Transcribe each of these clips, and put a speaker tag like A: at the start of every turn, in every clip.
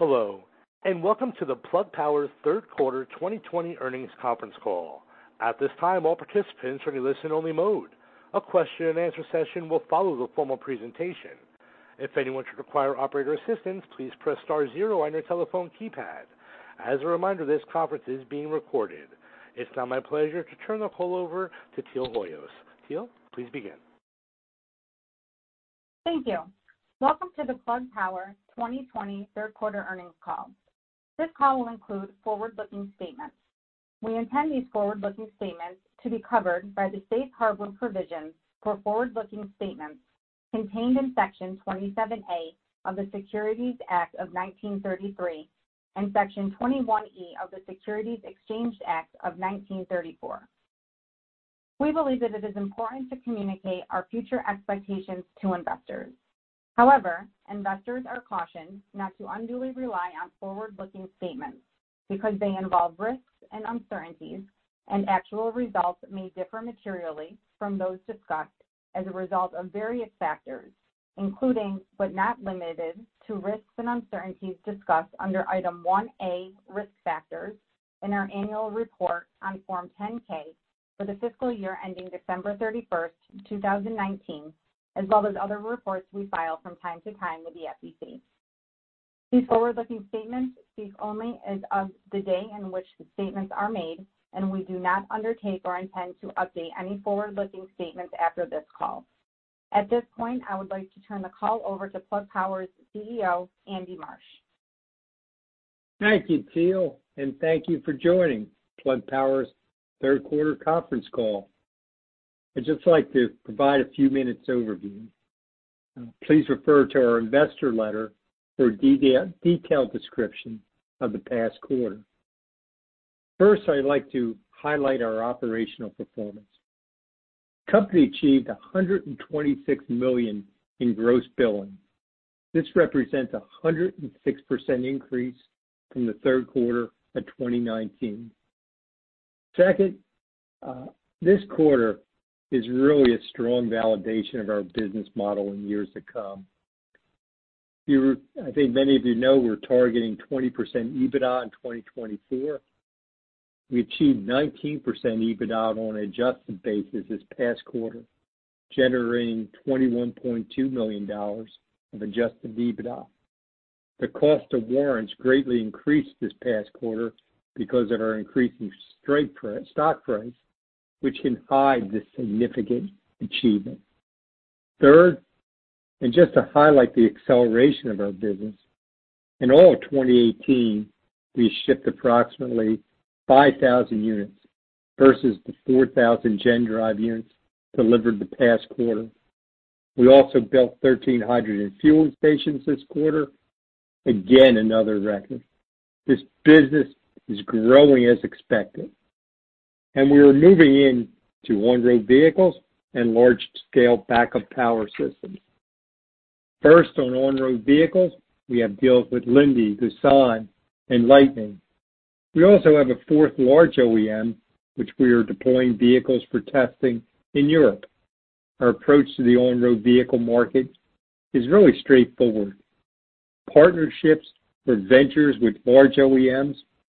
A: Hello, welcome to the Plug Power's third quarter 2020 earnings conference call. At this time, all participants are in listen only mode. A question and answer session will follow the formal presentation. If anyone should require operator assistance, please press star zero on your telephone keypad. As a reminder, this conference is being recorded. It's now my pleasure to turn the call over to Teal Hoyos. Teal, please begin.
B: Thank you. Welcome to the Plug Power 2020 third quarter earnings call. This call will include forward-looking statements. We intend these forward-looking statements to be covered by the safe harbor provisions for forward-looking statements contained in Section 27A of the Securities Act of 1933 and Section 21E of the Securities Exchange Act of 1934. We believe that it is important to communicate our future expectations to investors. However, investors are cautioned not to unduly rely on forward-looking statements because they involve risks and uncertainties, and actual results may differ materially from those discussed as a result of various factors, including, but not limited to, risks and uncertainties discussed under Item 1A, Risk Factors in our annual report on Form 10-K for the fiscal year ending December 31st, 2019, as well as other reports we file from time to time with the SEC. These forward-looking statements speak only as of the day in which the statements are made, and we do not undertake or intend to update any forward-looking statements after this call. At this point, I would like to turn the call over to Plug Power's CEO, Andy Marsh.
C: Thank you, Teal, and thank you for joining Plug Power's third quarter conference call. I'd just like to provide a few minutes overview. Please refer to our investor letter for a detailed description of the past quarter. First, I'd like to highlight our operational performance. Company achieved $126 million in gross billing. This represents 106% increase from the third quarter of 2019. Second, this quarter is really a strong validation of our business model in years to come. I think many of you know we're targeting 20% EBITDA in 2024. We achieved 19% EBITDA on an adjusted basis this past quarter, generating $21.2 million of adjusted EBITDA. The cost of warrants greatly increased this past quarter because of our increasing stock price, which can hide this significant achievement. Third, just to highlight the acceleration of our business, in all of 2018, we shipped approximately 5,000 units versus the 4,000 GenDrive units delivered the past quarter. We also built 13 hydrogen fueling stations this quarter. Again, another record. This business is growing as expected, and we are moving into on-road vehicles and large-scale backup power systems. First, on on-road vehicles, we have deals with Linde, Doosan, and Lightning. We also have a fourth large OEM, which we are deploying vehicles for testing in Europe. Our approach to the on-road vehicle market is really straightforward. Partnerships or ventures with large OEMs,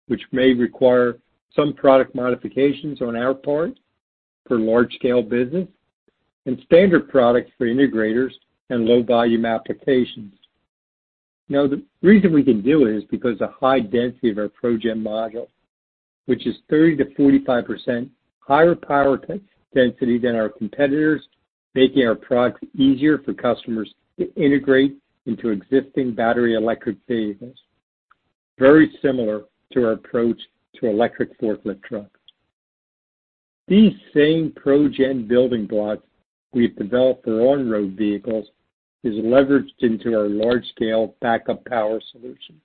C: which may require some product modifications on our part for large-scale business, and standard products for integrators and low-volume applications. Now, the reason we can do it is because the high density of our ProGen module, which is 30%-45% higher power density than our competitors, making our products easier for customers to integrate into existing battery electric vehicles, very similar to our approach to electric forklift trucks. These same ProGen building blocks we've developed for on-road vehicles is leveraged into our large-scale backup power solution.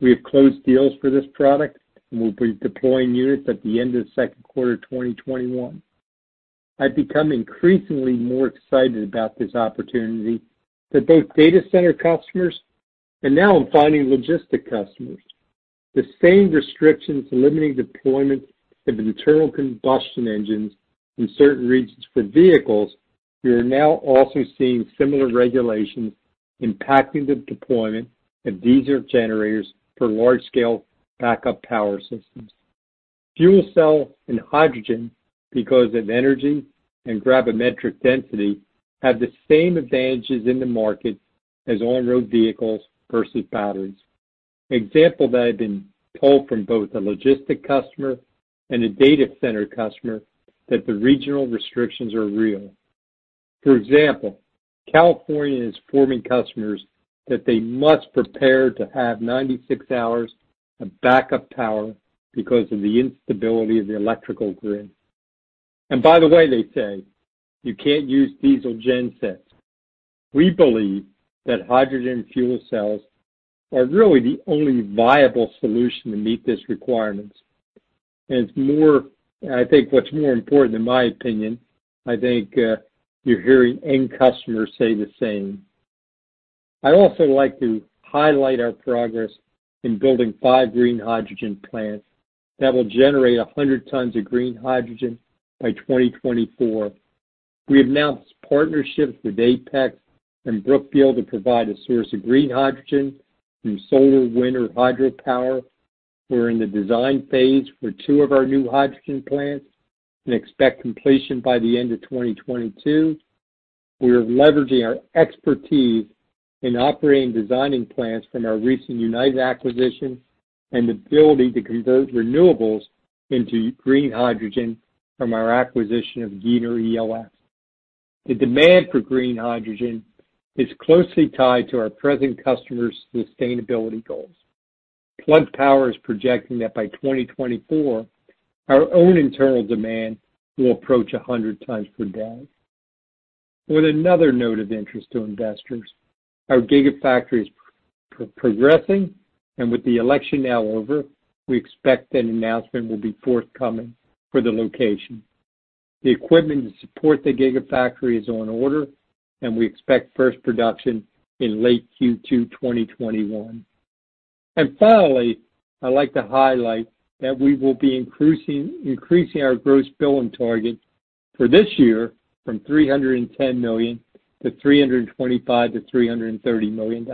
C: We have closed deals for this product, and we'll be deploying units at the end of the second quarter of 2021. I've become increasingly more excited about this opportunity with both data center customers and now I'm finding logistic customers. The same restrictions limiting deployment of internal combustion engines in certain regions for vehicles, we are now also seeing similar regulations impacting the deployment of diesel generators for large-scale backup power systems. Fuel cell and hydrogen, because of energy and gravimetric density, have the same advantages in the market as on-road vehicles versus batteries. Example that had been told from both a logistic customer and a data center customer that the regional restrictions are real. For example, California is informing customers that they must prepare to have 96 hours of backup power because of the instability of the electrical grid. By the way, they say, you can't use diesel gen sets. We believe that hydrogen fuel cells are really the only viable solution to meet this requirement. I think what's more important in my opinion, I think you're hearing end customers say the same. I'd also like to highlight our progress in building five green hydrogen plants that will generate 100 tons of green hydrogen by 2024. We have announced partnerships with Apex and Brookfield to provide a source of green hydrogen through solar, wind, or hydropower. We're in the design phase for two of our new hydrogen plants and expect completion by the end of 2022. We are leveraging our expertise in operating and designing plants from our recent United acquisition and the ability to convert renewables into green hydrogen from our acquisition of Giner ELX. The demand for green hydrogen is closely tied to our present customers' sustainability goals. Plug Power is projecting that by 2024, our own internal demand will approach 100 tons per day. With another note of interest to investors, our gigafactory is progressing, and with the election now over, we expect an announcement will be forthcoming for the location. The equipment to support the gigafactory is on order. We expect first production in late Q2 2021. Finally, I'd like to highlight that we will be increasing our gross billing target for this year from $310 million to $325 million-$330 million.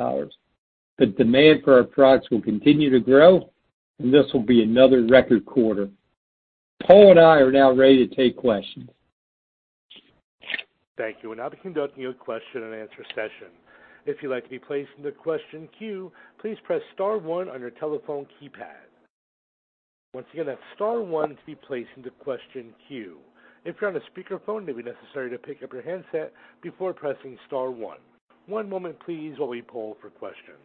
C: The demand for our products will continue to grow. This will be another record quarter. Paul and I are now ready to take questions.
A: Thank you. We will now be conducting a question-and-answer session. If you like to be placed in the question queue, please press star one on your telephone keypad. Once again, that's star one to be placed in the question queue. If you're from a speakerphone, it may be necessary to pick up your handset before pressing star one. One moment please while we poll for questions.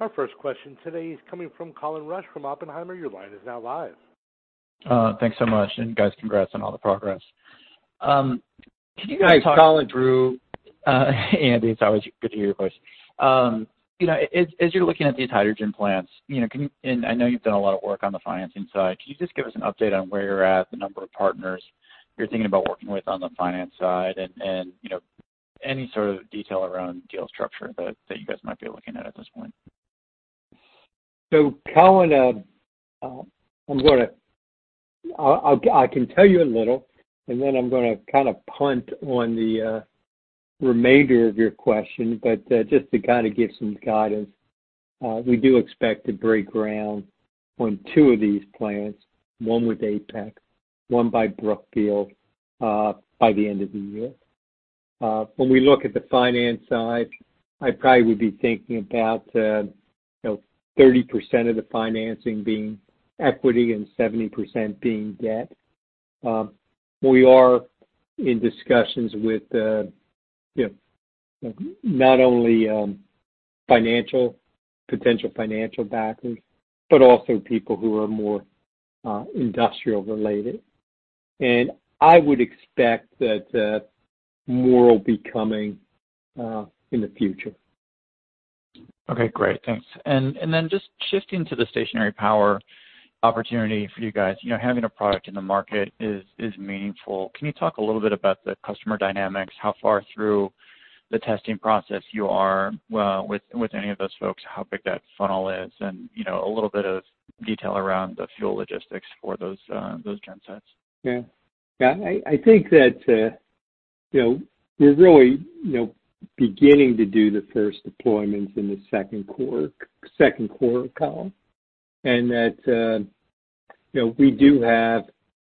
A: Our first question today is coming from Colin Rusch from Oppenheimer. Your line is now live.
D: Thanks so much, and guys, congrats on all the progress.
C: Hi, Colin.
D: Andy, it's always good to hear your voice. As you're looking at these hydrogen plants, and I know you've done a lot of work on the financing side, can you just give us an update on where you're at, the number of partners you're thinking about working with on the finance side, and any sort of detail around deal structure that you guys might be looking at at this point?
C: Colin, I can tell you a little, and then I'm going to kind of punt on the remainder of your question, but just to kind of give some guidance. We do expect to break ground on two of these plants, one with Apex, one by Brookfield, by the end of the year. When we look at the finance side, I probably would be thinking about 30% of the financing being equity and 70% being debt. We are in discussions with not only potential financial backers, but also people who are more industrial-related. I would expect that more will be coming in the future.
D: Okay, great. Thanks. Just shifting to the stationary power opportunity for you guys, having a product in the market is meaningful. Can you talk a little bit about the customer dynamics, how far through the testing process you are with any of those folks, how big that funnel is, and a little bit of detail around the fuel logistics for those gen sites?
C: Yeah. I think that we're really beginning to do the first deployments in the second quarter, Colin, and that we do have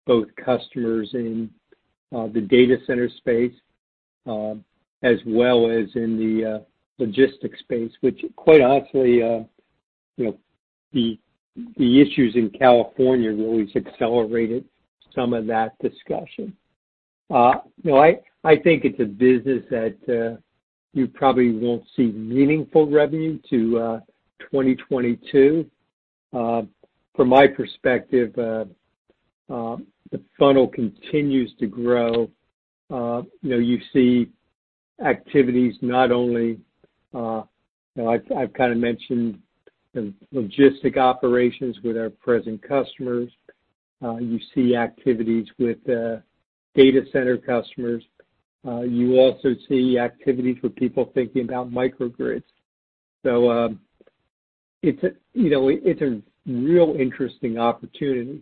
C: both customers in the data center space, as well as in the logistics space, which quite honestly the issues in California really accelerated some of that discussion. I think it's a business that you probably won't see meaningful revenue till 2022. From my perspective, the funnel continues to grow. You see activities not only, I've kind of mentioned the logistic operations with our present customers. You see activities with data center customers. You also see activities with people thinking about microgrids. It's a real interesting opportunity.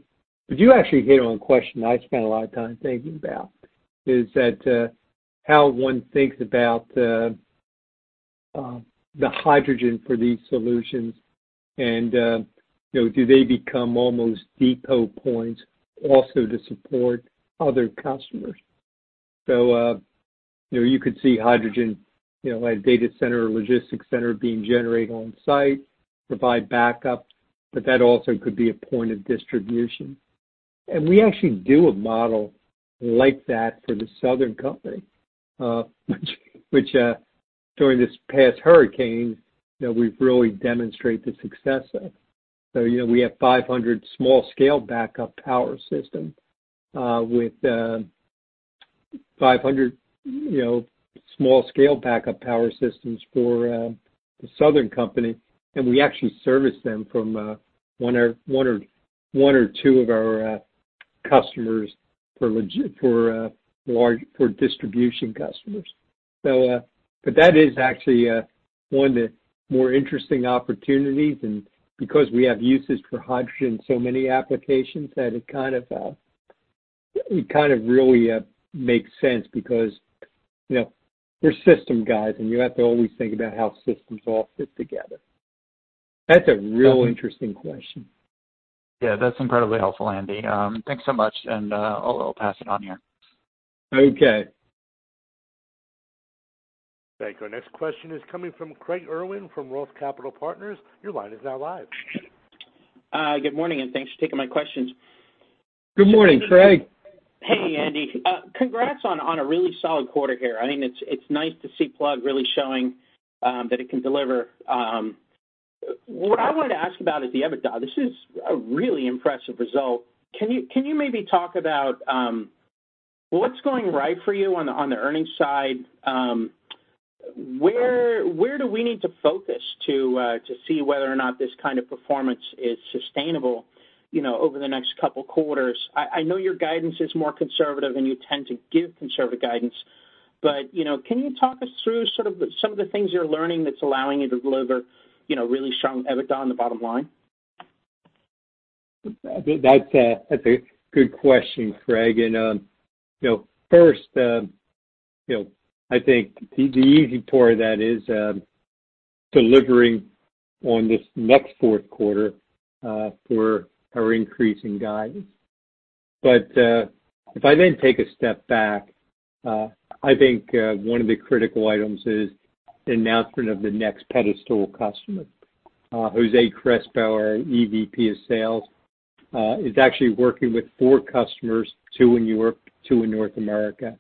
C: You actually hit on a question I spend a lot of time thinking about, is that how one thinks about the hydrogen for these solutions and do they become almost depot points also to support other customers? You could see hydrogen at a data center or logistics center being generated on-site, provide backup, but that also could be a point of distribution. We actually do a model like that for the Southern Company, which during this past hurricane, we've really demonstrated the success of. We have 500 small-scale backup power systems for the Southern Company, and we actually service them from one or two of our customers for distribution customers. That is actually one of the more interesting opportunities, and because we have uses for hydrogen in so many applications that it kind of really makes sense because we're system guys, and you have to always think about how systems all fit together. That's a real interesting question.
D: Yeah, that's incredibly helpful, Andy. Thanks so much, and I'll pass it on here.
C: Okay.
A: Thank you. Our next question is coming from Craig Irwin from ROTH Capital Partners. Your line is now live.
E: Good morning, and thanks for taking my questions.
C: Good morning, Craig.
E: Hey, Andy. Congrats on a really solid quarter here. I think it's nice to see Plug really showing that it can deliver. What I wanted to ask about is the EBITDA. This is a really impressive result. Can you maybe talk about what's going right for you on the earnings side? Where do we need to focus to see whether or not this kind of performance is sustainable over the next couple of quarters? I know your guidance is more conservative and you tend to give conservative guidance, can you talk us through some of the things you're learning that's allowing you to deliver really strong EBITDA on the bottom line?
C: That's a good question, Craig. First, I think the easy part of that is delivering on this next fourth quarter for our increase in guidance. If I then take a step back, I think one of the critical items is the announcement of the next pedestal customer. Jose Crespo, our EVP of Sales, is actually working with four customers, two in Europe, two in North America,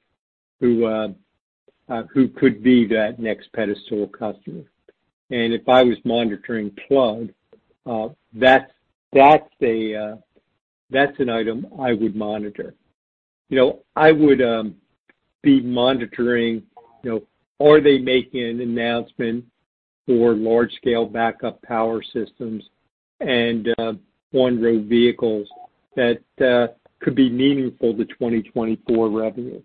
C: who could be that next pedestal customer. If I was monitoring Plug, that's an item I would monitor. I would be monitoring, are they making an announcement for large-scale backup power systems and on-road vehicles that could be meaningful to 2024 revenue?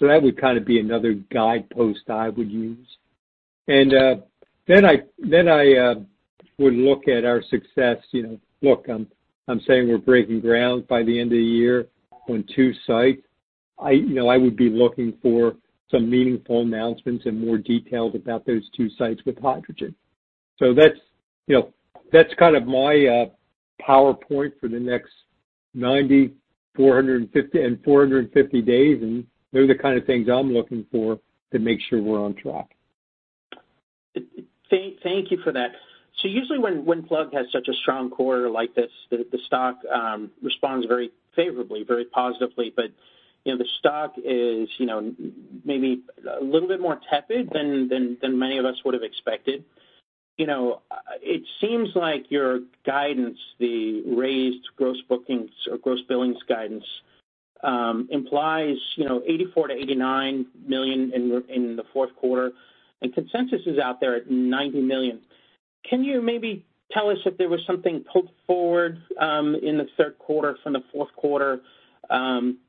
C: That would be another guidepost I would use. Then I would look at our success. Look, I'm saying we're breaking ground by the end of the year on two sites. I would be looking for some meaningful announcements and more details about those two sites with hydrogen. That's kind of my PowerPoint for the next 90 days and 450 days, and they're the kind of things I'm looking for to make sure we're on track.
E: Thank you for that. Usually when Plug has such a strong quarter like this, the stock responds very favorably, very positively. The stock is maybe a little bit more tepid than many of us would have expected. It seems like your guidance, the raised gross bookings or gross billings guidance, implies $84 million-$89 million in the fourth quarter, and consensus is out there at $90 million. Can you maybe tell us if there was something pulled forward in the third quarter from the fourth quarter?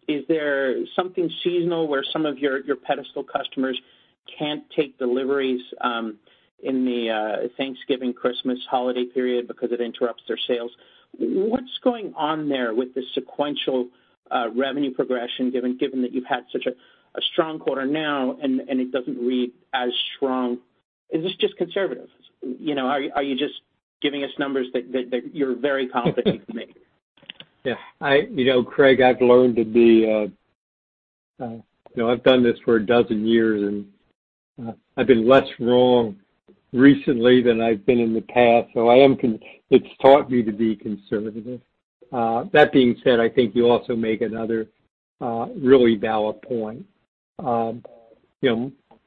E: Is there something seasonal where some of your pedestal customers can't take deliveries in the Thanksgiving-Christmas holiday period because it interrupts their sales? What's going on there with the sequential revenue progression, given that you've had such a strong quarter now and it doesn't read as strong? Is this just conservative? Are you just giving us numbers that you're very confident you can make?
C: Craig, I've learned I've done this for 12 years. I've been less wrong recently than I've been in the past, so it's taught me to be conservative. That being said, I think you also make another really valid point.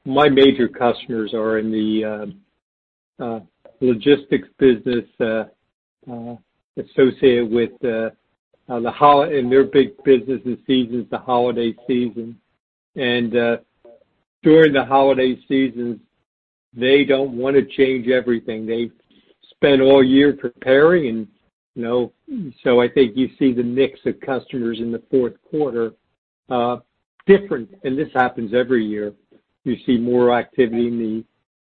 C: My major customers are in the logistics business associated with their big business season is the holiday season, and during the holiday seasons, they don't want to change everything. They've spent all year preparing and so I think you see the mix of customers in the fourth quarter different, and this happens every year. You see more activity in the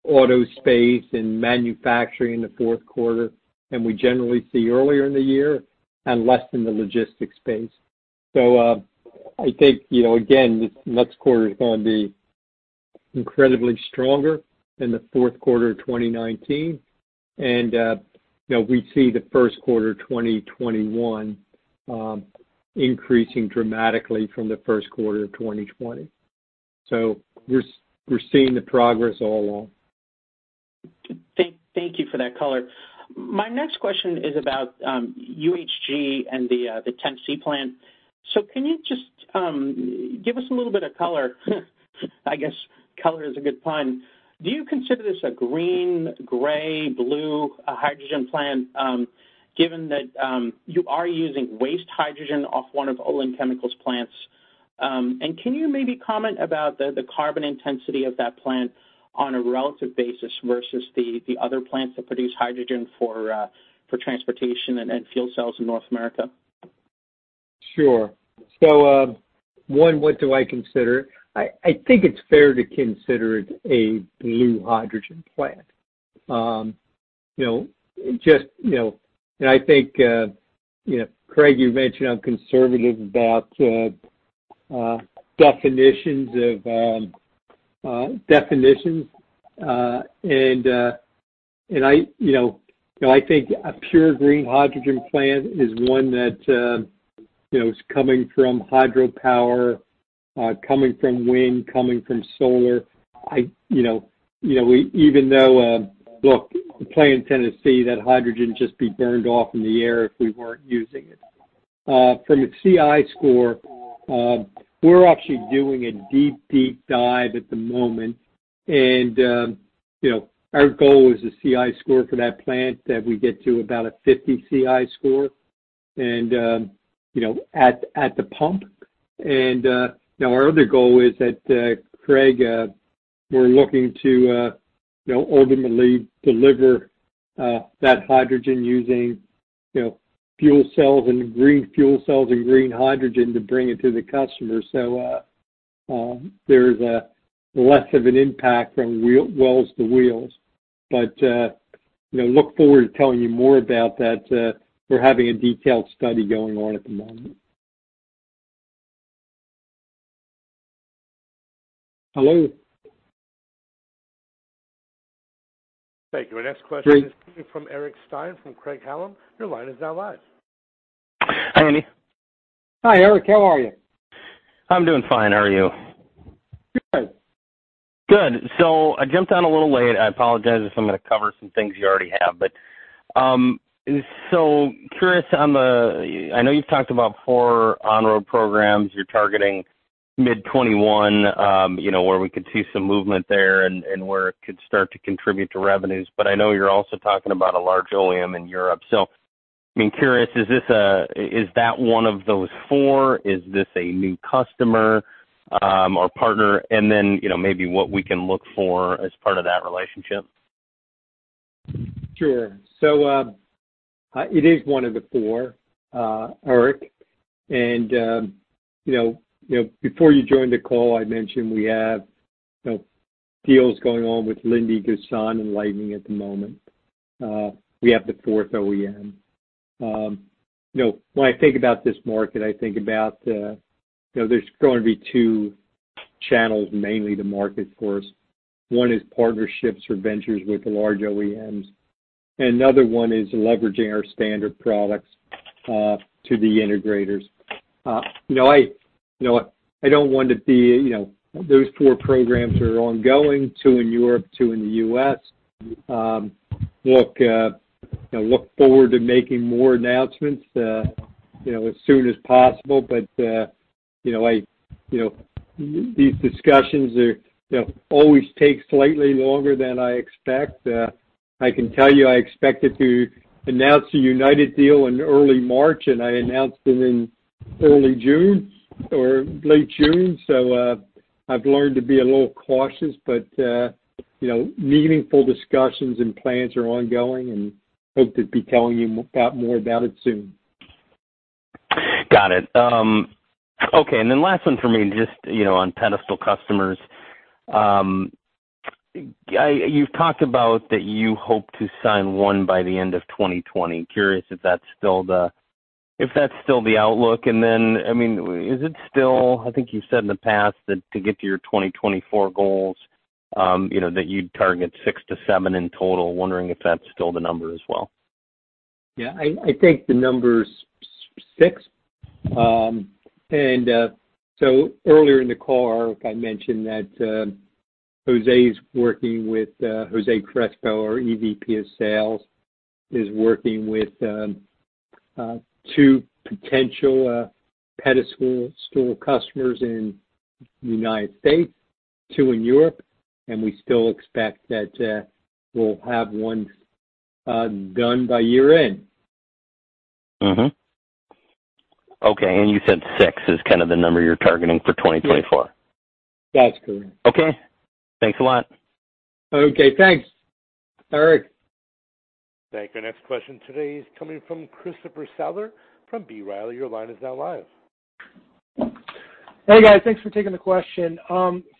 C: auto space and manufacturing in the fourth quarter than we generally see earlier in the year and less in the logistics space. I think, again, this next quarter is going to be incredibly stronger than the fourth quarter of 2019, and we see the first quarter of 2021 increasing dramatically from the first quarter of 2020. We're seeing the progress all along.
E: Thank you for that color. My next question is about UHG and the Tennessee plant. Can you just give us a little bit of color? I guess color is a good pun. Do you consider this a green, gray, blue hydrogen plant, given that you are using waste hydrogen off one of Olin chemicals plants? Can you maybe comment about the carbon intensity of that plant on a relative basis versus the other plants that produce hydrogen for transportation and fuel cells in North America?
C: Sure. One, what do I consider? I think it's fair to consider it a blue hydrogen plant. I think, Craig, you mentioned I'm conservative about definitions. I think a pure green hydrogen plant is one that is coming from hydropower, coming from wind, coming from solar. Look, the plant in Tennessee, that hydrogen would just be burned off in the air if we weren't using it. From a CI score, we're actually doing a deep dive at the moment, and our goal is a CI score for that plant that we get to about a 50 CI score at the pump. Our other goal is that, Craig, we're looking to ultimately deliver that hydrogen using green fuel cells and green hydrogen to bring it to the customer, so there's less of an impact from wells to wheels. Look forward to telling you more about that. We're having a detailed study going on at the moment. Hello?
A: Thank you. Our next question-
C: Jerry.
A: Is coming from Eric Stine from Craig-Hallum. Your line is now live.
F: Hi, Andy.
C: Hi, Eric. How are you?
F: I'm doing fine. How are you?
C: Good.
F: Good. I jumped on a little late. I apologize if I'm going to cover some things you already have. Curious, I know you've talked about four on-road programs. You're targeting mid-2021, where we could see some movement there and where it could start to contribute to revenues. I know you're also talking about a large OEM in Europe. Curious, is that one of those four? Is this a new customer or partner? Then, maybe what we can look for as part of that relationship.
C: Sure. It is one of the four, Eric, and before you joined the call, I mentioned we have deals going on with Linde, Doosan, and Lightning at the moment. We have the fourth OEM. When I think about this market, I think about how there's going to be two channels, mainly to market for us. One is partnerships or ventures with the large OEMs, and another one is leveraging our standard products to the integrators. Those four programs are ongoing, two in Europe, two in the U.S. Look forward to making more announcements as soon as possible, but these discussions always take slightly longer than I expect. I can tell you, I expected to announce a United deal in early March, and I announced it in early June or late June. I've learned to be a little cautious, but meaningful discussions and plans are ongoing, and hope to be telling you about more about it soon.
F: Got it. Okay, last one for me, just on pedestal customers. You've talked about that you hope to sign one by the end of 2020. Curious if that's still the outlook, I think you've said in the past that to get to your 2024 goals, that you'd target six to seven in total. Wondering if that's still the number as well.
C: Yeah, I think the number's six. Earlier in the call, Eric, I mentioned that Jose Crespo, our EVP of Sales, is working with two potential pedestal customers in the United States, two in Europe, and we still expect that we'll have one done by year-end.
F: Okay, you said six is kind of the number you're targeting for 2024?
C: That's correct.
F: Okay. Thanks a lot.
C: Okay. Thanks, Eric.
A: Thank you. Our next question today is coming from Christopher Souther from B. Riley. Your line is now live.
G: Hey, guys. Thanks for taking the question.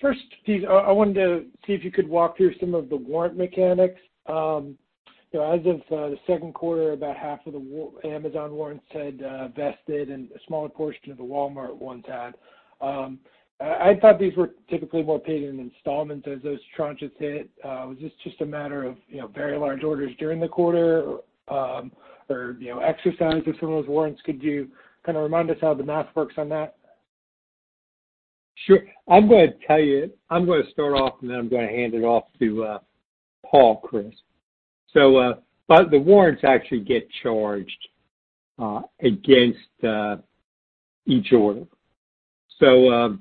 G: First, I wanted to see if you could walk through some of the warrant mechanics. As of the second quarter, about half of the Amazon warrants had vested and a smaller portion of the Walmart ones had. I thought these were typically more paid in installments as those tranches hit. Was this just a matter of very large orders during the quarter or exercise of some of those warrants? Could you kind of remind us how the math works on that?
C: Sure. I'm going to start off, and then I'm going to hand it off to Paul, Chris. The warrants actually get charged against each order. I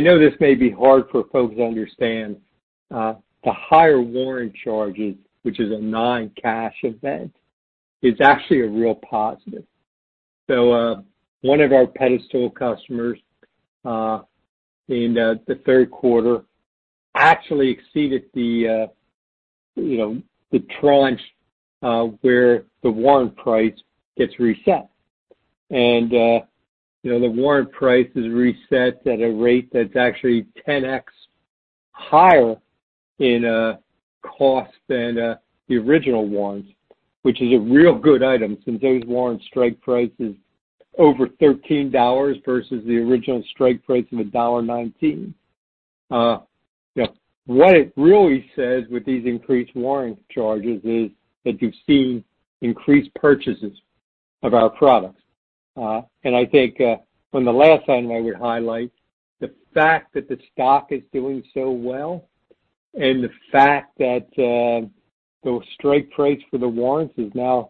C: know this may be hard for folks to understand, the higher warrant charges, which is a non-cash event, is actually a real positive. One of our pedestal customers in the third quarter actually exceeded the tranche where the warrant price gets reset. The warrant price is reset at a rate that's actually 10x higher in cost than the original warrants, which is a real good item, since those warrants strike price is over $13 versus the original strike price of $1.19. What it really says with these increased warrant charges is that you've seen increased purchases of our products. I think from the last time, I would highlight the fact that the stock is doing so well and the fact that those strike price for the warrants is now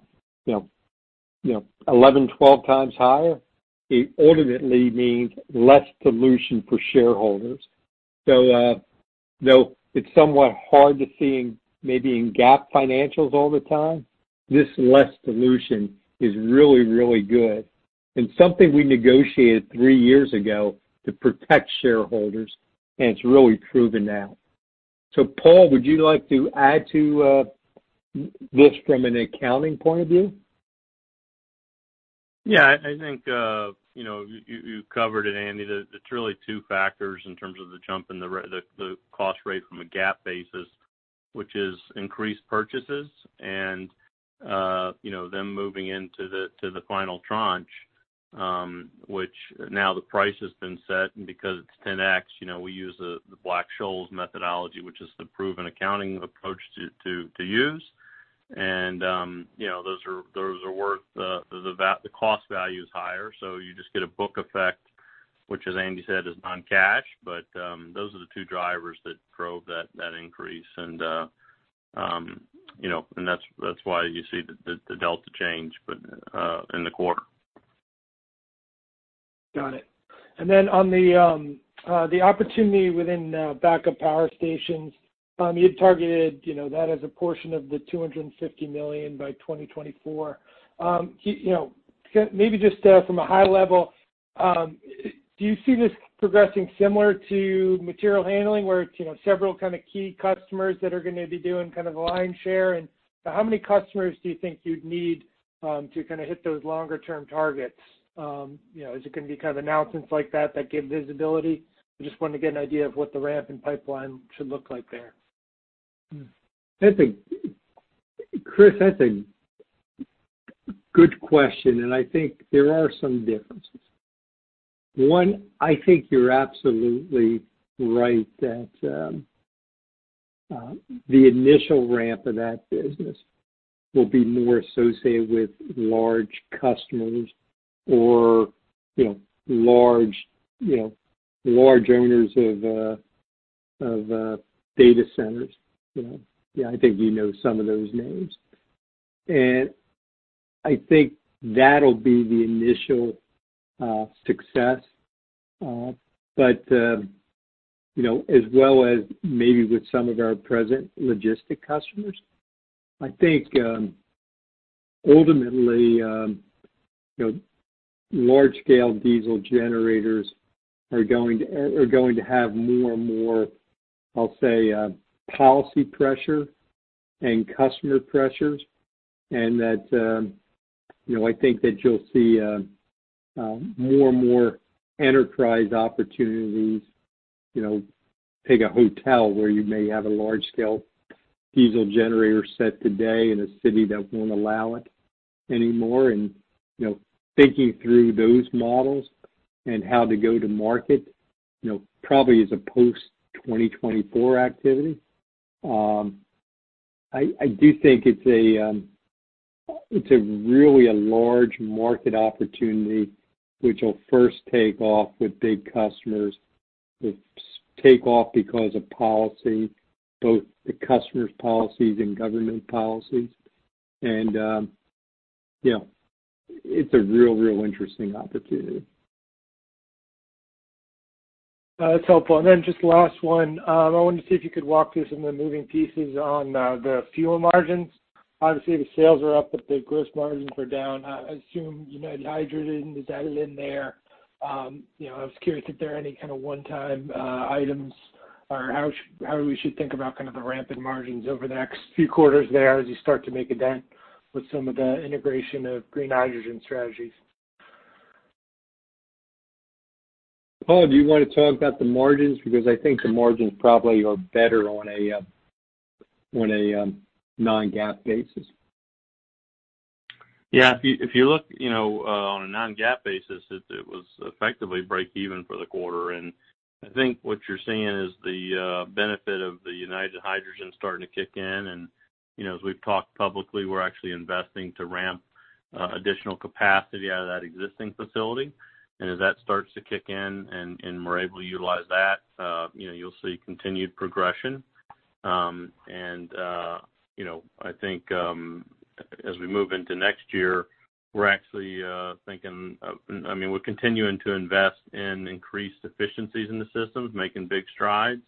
C: 11x, 12x higher, it ultimately means less dilution for shareholders. Though it's somewhat hard to see maybe in GAAP financials all the time, this less dilution is really, really good and something we negotiated three years ago to protect shareholders, and it's really proven now. Paul, would you like to add to this from an accounting point of view?
H: Yeah, I think you covered it, Andy. It's really two factors in terms of the jump in the cost rate from a GAAP basis, which is increased purchases and them moving into the final tranche, which now the price has been set and because it's 10x, we use the Black-Scholes methodology, which is the proven accounting approach to use. The cost value is higher, so you just get a book effect, which, as Andy said, is non-cash. Those are the two drivers that drove that increase. That's why you see the delta change in the quarter.
G: Got it. On the opportunity within backup power stations, you had targeted that as a portion of the $250 million by 2024. Maybe just from a high level, do you see this progressing similar to material handling, where it's several kind of key customers that are going to be doing kind of a lion's share? How many customers do you think you'd need to kind of hit those longer-term targets? Is it going to be kind of announcements like that that give visibility? I just wanted to get an idea of what the ramp and pipeline should look like there.
C: Chris, that's a good question, and I think there are some differences. One, I think you're absolutely right that the initial ramp of that business will be more associated with large customers or large owners of data centers. I think you know some of those names. I think that'll be the initial success. As well as maybe with some of our present logistic customers. I think, ultimately, large-scale diesel generators are going to have more and more, I'll say, policy pressure and customer pressures, and that I think that you'll see more and more enterprise opportunities. Take a hotel where you may have a large-scale diesel generator set today in a city that won't allow it anymore, and thinking through those models and how to go to market, probably is a post-2024 activity. I do think it's really a large market opportunity which will first take off with big customers. It'll take off because of policy, both the customers' policies and government policies. It's a real interesting opportunity.
G: That's helpful. Just last one, I wanted to see if you could walk us in the moving pieces on the fuel margins. Obviously, the sales are up, but the gross margins are down. I assume United Hydrogen is added in there. I was curious if there are any kind of one-time items or how we should think about kind of the ramp in margins over the next few quarters there as you start to make a dent with some of the integration of green hydrogen strategies.
C: Paul, do you want to talk about the margins? Because I think the margins probably are better on a non-GAAP basis.
H: Yeah. If you look on a non-GAAP basis, it was effectively breakeven for the quarter. I think what you're seeing is the benefit of the United Hydrogen starting to kick in. As we've talked publicly, we're actually investing to ramp additional capacity out of that existing facility. As that starts to kick in and we're able to utilize that, you'll see continued progression. I think as we move into next year, we're actually continuing to invest in increased efficiencies in the systems, making big strides.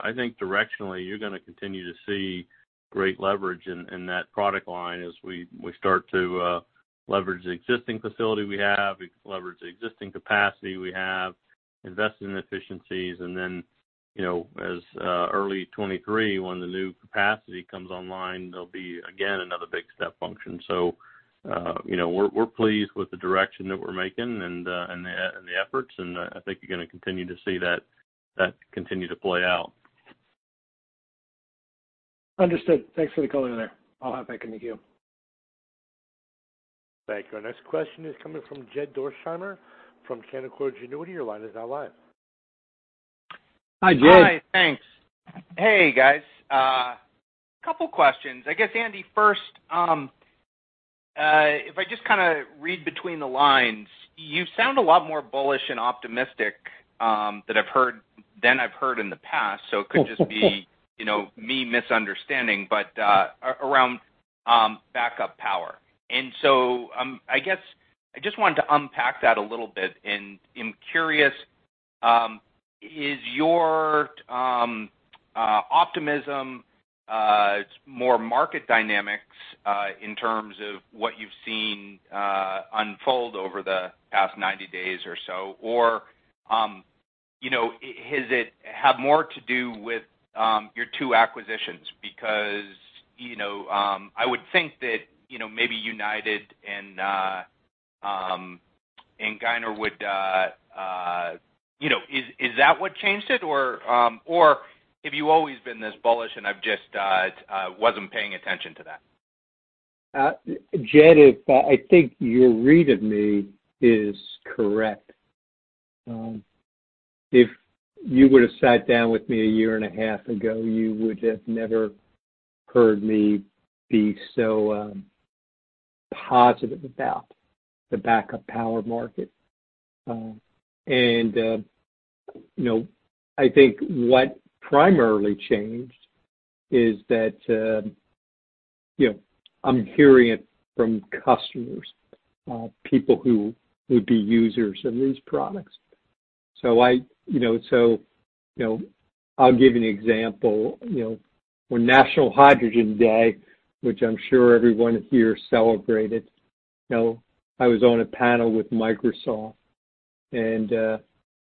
H: I think directionally, you're going to continue to see great leverage in that product line as we start to leverage the existing facility we have, leverage the existing capacity we have, invest in efficiencies, and then as early 2023, when the new capacity comes online, there'll be again another big step function. We're pleased with the direction that we're making and the efforts, and I think you're going to continue to see that continue to play out.
G: Understood. Thanks for the color there. I'll hop back into queue.
A: Thank you. Our next question is coming from Jed Dorsheimer from Canaccord Genuity. Your line is now live.
C: Hi, Jed.
I: Hi. Thanks. Hey, guys. Couple questions. I guess, Andy, first, if I just kind of read between the lines, you sound a lot more bullish and optimistic than I've heard in the past, so it could just be me misunderstanding, but around backup power. I guess I just wanted to unpack that a little bit, and I'm curious, is your optimism more market dynamics in terms of what you've seen unfold over the past 90 days or so? Has it had more to do with your two acquisitions? I would think that maybe United and Giner, is that what changed it, or have you always been this bullish and I just wasn't paying attention to that?
C: Jed, I think your read of me is correct. If you would've sat down with me 1.5 year ago, you would have never heard me be so positive about the backup power market. I think what primarily changed is that I'm hearing it from customers, people who would be users of these products. I'll give you an example. For National Hydrogen Day, which I'm sure everyone here celebrated, I was on a panel with Microsoft, and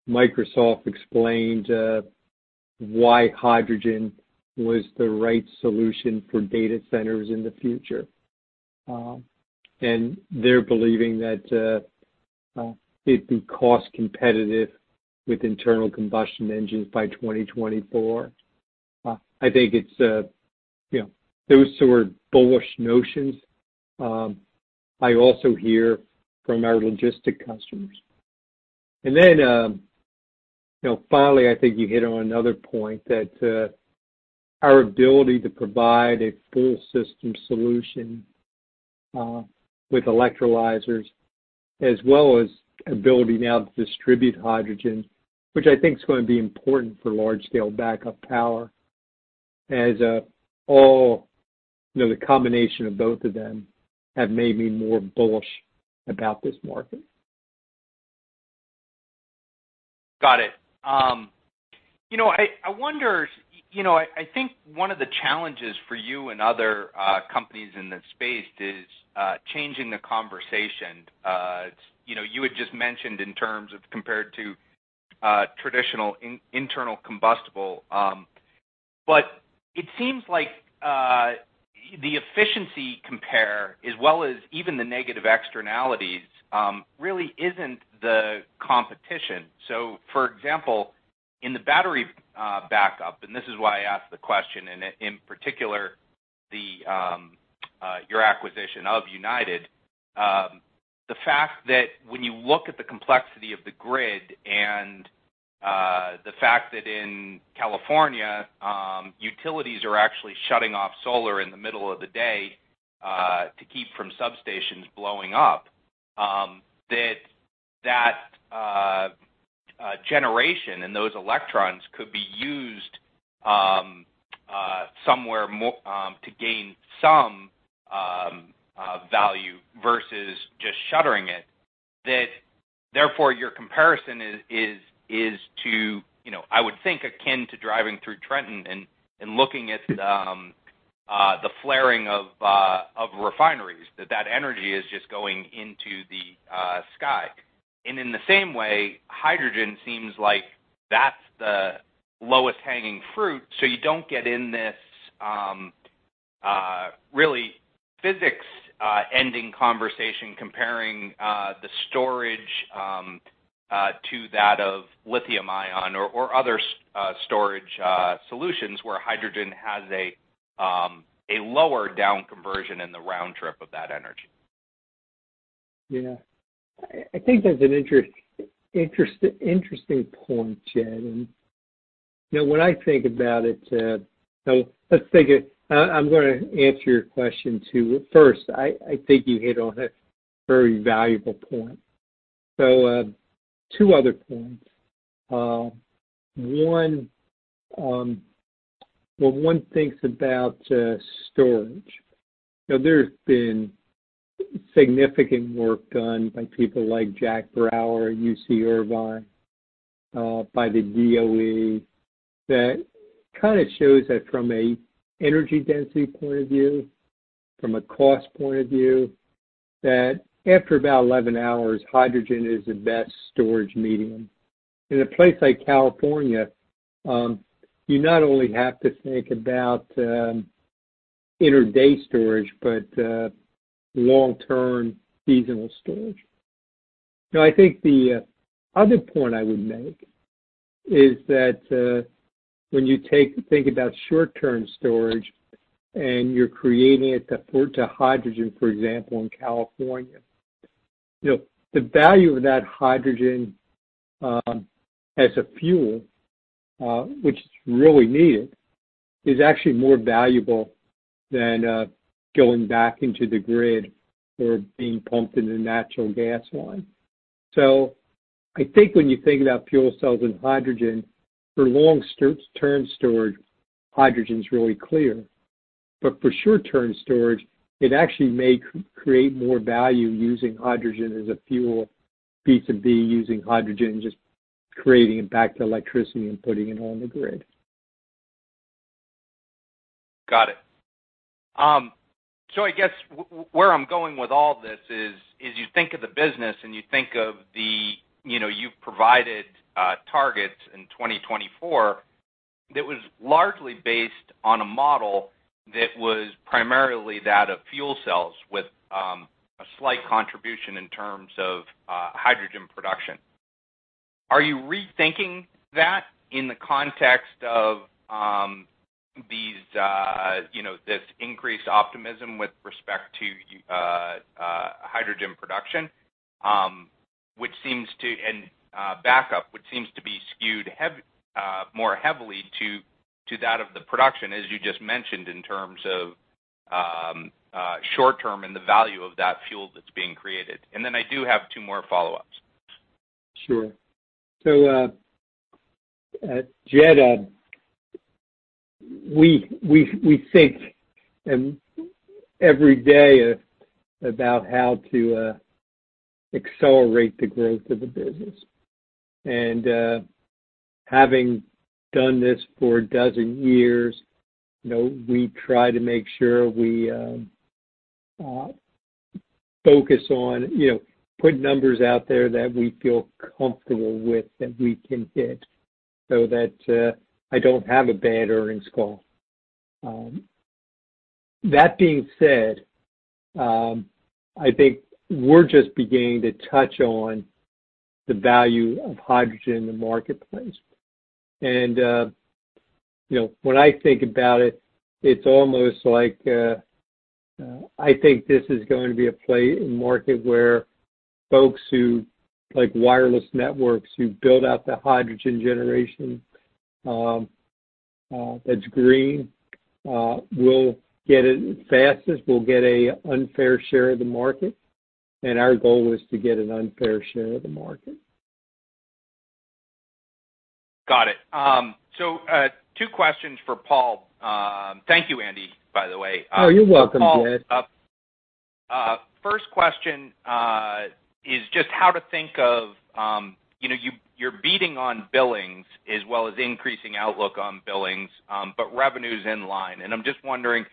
C: Microsoft explained why hydrogen was the right solution for data centers in the future. They're believing that it'd be cost competitive with internal combustion engines by 2024. I think those sort of bullish notions I also hear from our logistic customers. Finally, I think you hit on another point, that our ability to provide a full system solution with electrolyzers as well as ability now to distribute hydrogen, which I think is going to be important for large scale backup power as all the combination of both of them have made me more bullish about this market.
I: Got it. I think one of the challenges for you and other companies in this space is changing the conversation. You had just mentioned in terms of compared to traditional internal combustible, it seems like the efficiency compare as well as even the negative externalities really isn't the competition. For example, in the battery backup, and this is why I ask the question, and in particular, your acquisition of United, the fact that when you look at the complexity of the grid and the fact that in California, utilities are actually shutting off solar in the middle of the day to keep from substations blowing up, that generation and those electrons could be used somewhere to gain some value versus just shuttering it. That therefore your comparison is to, I would think, akin to driving through Trenton and looking at the flaring of refineries, that that energy is just going into the sky. In the same way, hydrogen seems like that's the lowest hanging fruit, so you don't get in this really physics-ending conversation comparing the storage to that of lithium ion or other storage solutions where hydrogen has a lower down conversion in the round trip of that energy.
C: Yeah. I think that's an interesting point, Jed, and when I think about it, so let's take it. I'm going to answer your question too. First, I think you hit on a very valuable point. Two other points. One, when one thinks about storage, there's been significant work done by people like Jack Brouwer at UC Irvine, by the DOE, that kind of shows that from a energy density point of view, from a cost point of view, that after about 11 hours, hydrogen is the best storage medium. In a place like California, you not only have to think about inter-day storage, but long-term seasonal storage. I think the other point I would make is that when you think about short-term storage and you're creating it to hydrogen, for example, in California, the value of that hydrogen as a fuel, which is really needed, is actually more valuable than going back into the grid or being pumped in a natural gas line. I think when you think about fuel cells and hydrogen for long-term storage, hydrogen's really clear. For short-term storage, it actually may create more value using hydrogen as a fuel, vis-à-vis using hydrogen, just creating it back to electricity and putting it on the grid.
I: Got it. I guess where I'm going with all this is you think of the business and you think of you've provided targets in 2024 that was largely based on a model that was primarily that of fuel cells with a slight contribution in terms of hydrogen production. Are you rethinking that in the context of this increased optimism with respect to hydrogen production and backup, which seems to be skewed more heavily to that of the production, as you just mentioned, in terms of short-term and the value of that fuel that's being created? I do have two more follow-ups.
C: Sure. Jed, we think every day about how to accelerate the growth of the business. Having done this for a dozen years, we try to make sure we focus on putting numbers out there that we feel comfortable with, that we can hit, so that I don't have a bad earnings call. That being said, I think we're just beginning to touch on the value of hydrogen in the marketplace. When I think about it, it's almost like I think this is going to be a play in market where folks who, like wireless networks, who build out the hydrogen generation that's green will get it fastest, will get an unfair share of the market, and our goal is to get an unfair share of the market.
I: Got it. Two questions for Paul. Thank you, Andy, by the way.
C: Oh, you're welcome, Jed.
I: Paul, first question is just how to think of, you're beating on billings as well as increasing outlook on billings, but revenue's in line, and I'm just wondering,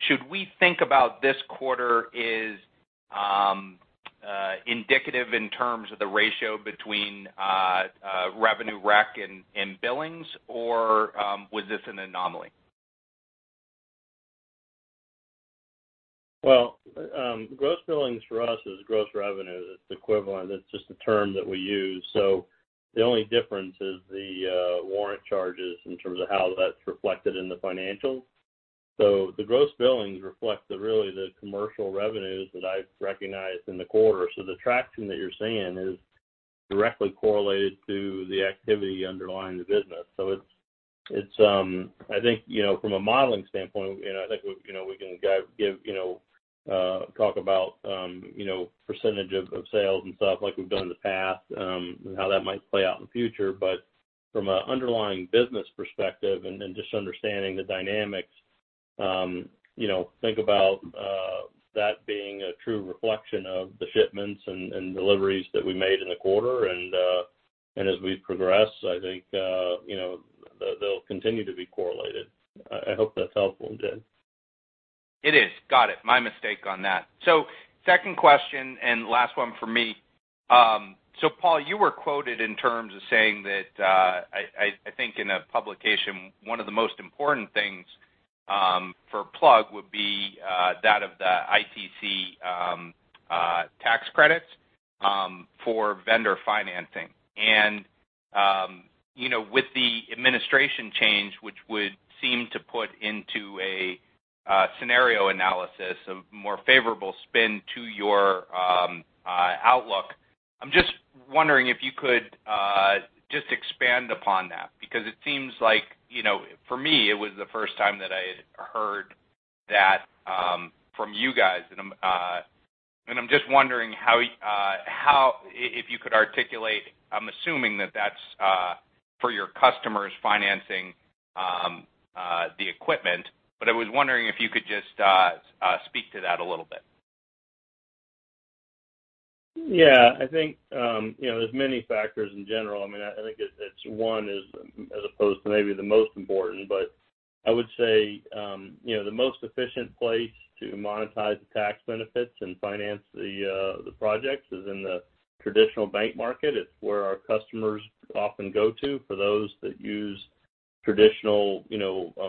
I: should we think about this quarter as indicative in terms of the ratio between revenue rec and billings, or was this an anomaly?
H: Well, gross billings for us is gross revenue. It's equivalent. It's just a term that we use. The only difference is the warrant charges in terms of how that's reflected in the financials. The gross billings reflect really the commercial revenues that I've recognized in the quarter. The traction that you're seeing is directly correlated to the activity underlying the business. I think from a modeling standpoint, I think we can talk about percentage of sales and stuff like we've done in the past, and how that might play out in the future, but from a underlying business perspective and just understanding the dynamics, think about that being a true reflection of the shipments and deliveries that we made in the quarter. As we progress, I think they'll continue to be correlated. I hope that's helpful, Jed.
I: It is. Got it. My mistake on that. Second question, and last one from me. Paul, you were quoted in terms of saying that I think in a publication, one of the most important things for Plug would be that of the ITC tax credits for vendor financing. With the administration change, which would seem to put into a scenario analysis of more favorable spin to your outlook, I'm just wondering if you could just expand upon that, because it seems like, for me, it was the first time that I had heard that from you guys. I'm just wondering if you could articulate, I'm assuming that that's for your customers financing the equipment, but I was wondering if you could just speak to that a little bit.
H: I think there's many factors in general. I think it's one as opposed to maybe the most important, but I would say the most efficient place to monetize the tax benefits and finance the projects is in the traditional bank market. It's where our customers often go to for those that use traditional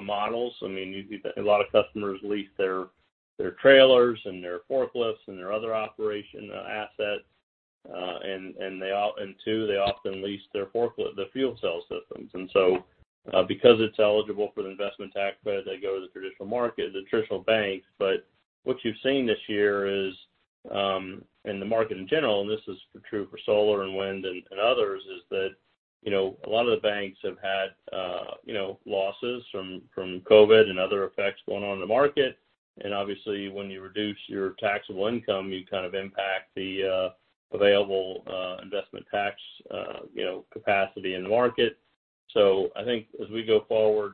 H: models. A lot of customers lease their trailers and their forklifts and their other operation assets. Two, they often lease their fuel cell systems. Because it's eligible for the investment tax credit, they go to the traditional market, the traditional banks. What you've seen this year is, in the market in general, and this is true for solar and wind and others, is that a lot of the banks have had losses from COVID and other effects going on in the market. Obviously, when you reduce your taxable income, you kind of impact the available investment tax capacity in the market. I think as we go forward,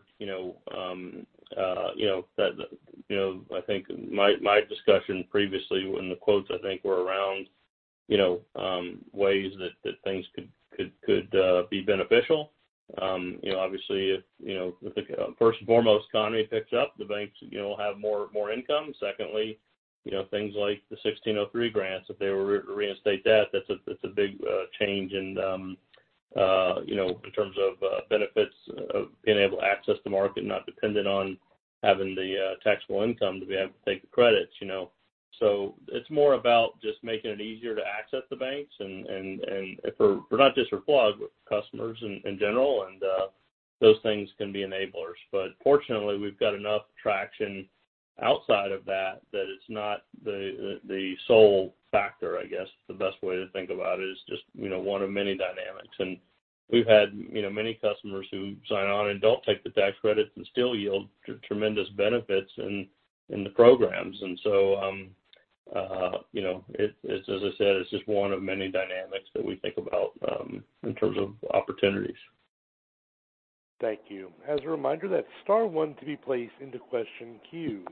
H: my discussion previously when the quotes, I think, were around ways that things could be beneficial. Obviously, if first and foremost economy picks up, the banks will have more income. Secondly, things like the 1603 grants, if they were to reinstate that's a big change in terms of benefits of being able to access the market and not dependent on having the taxable income to be able to take the credits. It's more about just making it easier to access the banks, and for not just for Plug, but for customers in general, and those things can be enablers. Fortunately, we've got enough traction outside of that it's not the sole factor, I guess, the best way to think about it is just one of many dynamics. We've had many customers who sign on and don't take the tax credits and still yield tremendous benefits in the programs. As I said, it's just one of many dynamics that we think about in terms of opportunities.
A: Thank you. As a reminder, that's star one to be placed into question queue.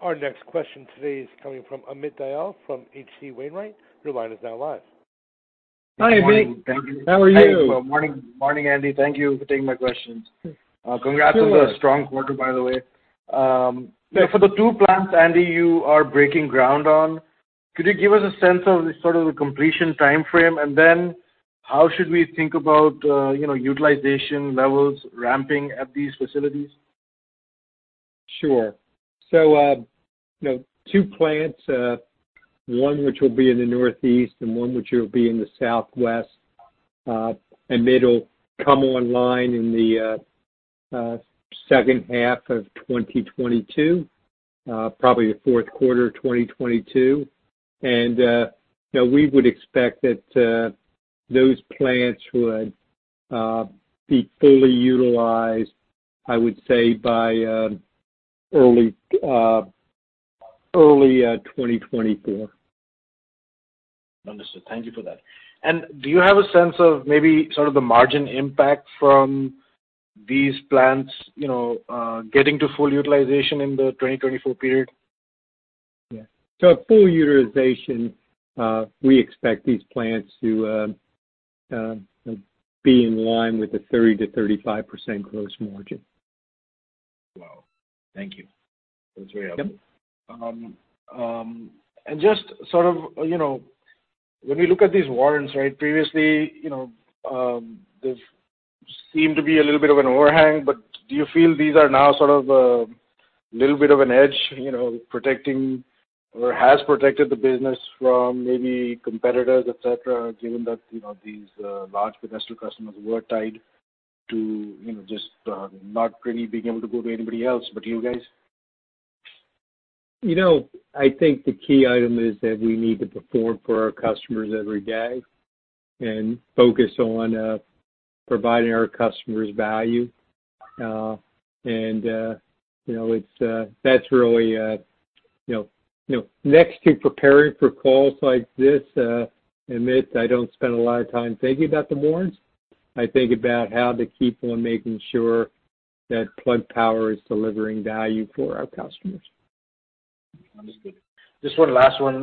A: Our next question today is coming from Amit Dayal from H.C. Wainwright. Your line is now live.
C: Hi, Amit. How are you?
J: Morning, Andy. Thank you for taking my questions.
C: Sure.
J: Congrats on the strong quarter, by the way. For the two plants, Andy, you are breaking ground on, could you give us a sense of the sort of the completion timeframe, and then how should we think about utilization levels ramping at these facilities?
C: Sure. Two plants, one which will be in the Northeast and one which will be in the Southwest, they'll come online in the second half of 2022, probably the fourth quarter of 2022. We would expect that those plants would be fully utilized, I would say, by early 2024.
J: Understood. Thank you for that. Do you have a sense of maybe sort of the margin impact from these plants getting to full utilization in the 2024 period?
C: At full utilization, we expect these plants to be in line with a 30%-35% gross margin.
J: Wow. Thank you.
C: You're welcome.
J: Just when we look at these warrants, previously, they've seemed to be a little bit of an overhang, but do you feel these are now sort of a little bit of an edge protecting or has protected the business from maybe competitors, et cetera, given that these large industrial customers were tied to just not really being able to go to anybody else but you guys?
C: I think the key item is that we need to perform for our customers every day and focus on providing our customers value. Next to preparing for calls like this, Amit, I don't spend a lot of time thinking about the warrants. I think about how to keep on making sure that Plug Power is delivering value for our customers.
J: Understood. Just one last one.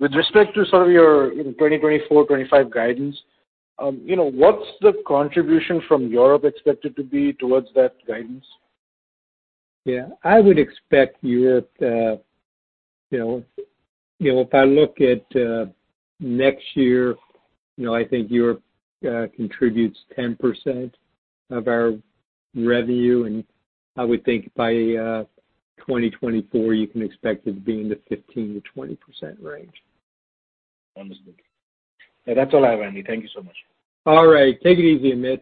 J: With respect to sort of your 2024, 2025 guidance, what's the contribution from Europe expected to be towards that guidance?
C: If I look at next year, I think Europe contributes 10% of our revenue, and I would think by 2024, you can expect it to be in the 15%-20% range.
J: Understood. That's all I have, Andy. Thank you so much.
C: All right. Take it easy, Amit.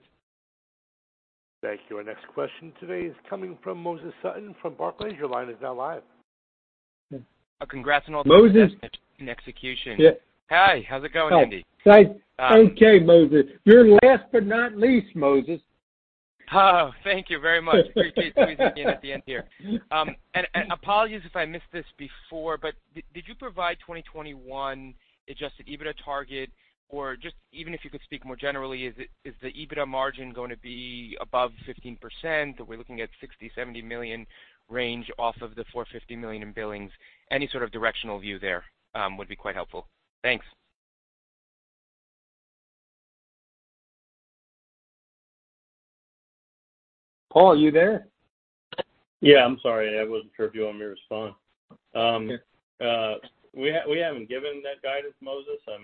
A: Thank you. Our next question today is coming from Moses Sutton from Barclays. Your line is now live.
K: Congrats on all the.
C: Moses?
K: Investment and execution.
C: Yeah.
K: Hi. How's it going, Andy?
C: Okay, Moses. You're last but not least, Moses.
K: Oh, thank you very much. Appreciate squeezing in at the end here. Apologies if I missed this before, did you provide 2021 adjusted EBITDA target, or just even if you could speak more generally, is the EBITDA margin going to be above 15%? Are we looking at $60 million, $70 million range off of the $450 million in billings? Any sort of directional view there would be quite helpful. Thanks.
C: Paul, are you there?
H: Yeah. I'm sorry. I wasn't sure if you wanted me to respond.
C: Yeah.
H: We haven't given that guidance, Moses. I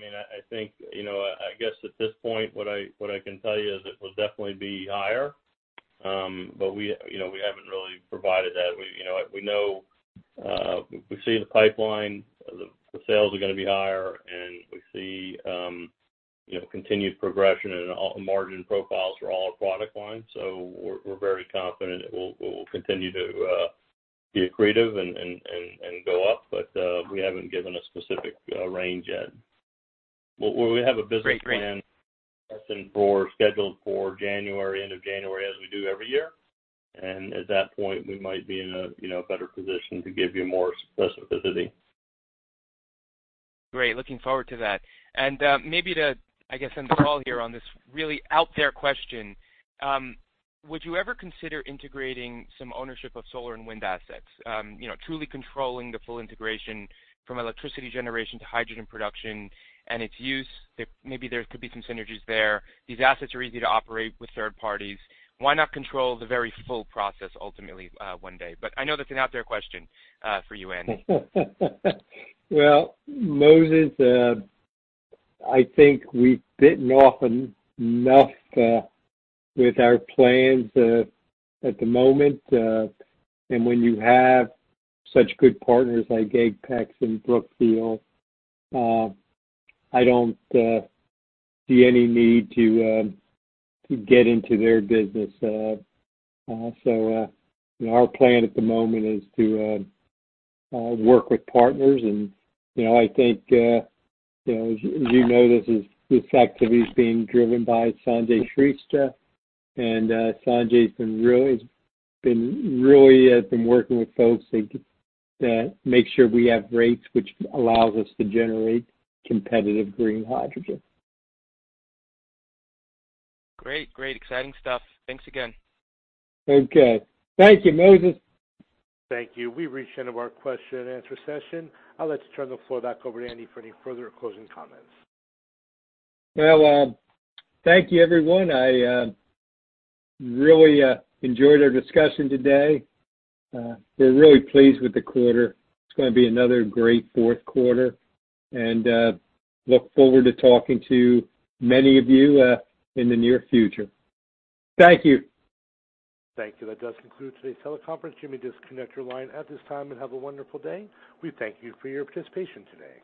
H: guess at this point, what I can tell you is it will definitely be higher. We haven't really provided that. We've seen the pipeline, the sales are going to be higher, and we see continued progression and margin profiles for all our product lines. We're very confident that we'll continue to be accretive and go up. We haven't given a specific range yet.
K: Great.
H: We have a business plan scheduled for end of January, as we do every year. At that point, we might be in a better position to give you more specificity.
K: Great. Looking forward to that. Maybe to, I guess, end the call here on this really out there question. Would you ever consider integrating some ownership of solar and wind assets? Truly controlling the full integration from electricity generation to hydrogen production and its use, maybe there could be some synergies there. These assets are easy to operate with third parties. Why not control the very full process ultimately one day? I know that's an out there question for you, Andy.
C: Well, Moses, I think we've bitten off enough with our plans at the moment. When you have such good partners like Apex and Brookfield, I don't see any need to get into their business. Our plan at the moment is to work with partners. I think, as you know, this activity is being driven by Sanjay Shrestha, and Sanjay has really been working with folks to make sure we have rates which allows us to generate competitive green hydrogen.
K: Great. Exciting stuff. Thanks again.
C: Okay. Thank you, Moses.
A: Thank you. We've reached the end of our question-and-answer session. I'll let you turn the floor back over to Andy for any further closing comments.
C: Well, thank you everyone. I really enjoyed our discussion today. We're really pleased with the quarter. It's going to be another great fourth quarter, and look forward to talking to many of you in the near future. Thank you.
A: Thank you. That does conclude today's teleconference. You may disconnect your line at this time and have a wonderful day. We thank you for your participation today.